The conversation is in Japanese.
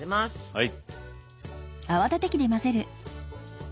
はい。